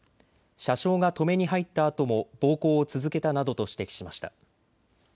車掌が止めに入ったあとも暴行を続けたなどと指摘しました。